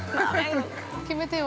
◆決めてよ。